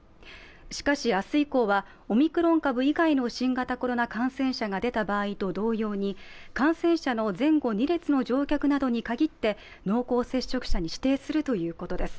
しかし、明日以降はオミクロン株以外の新型コロナ感染者が出た場合と同様に感染者の前後２列の乗客などに限って濃厚接触者に指定するということです。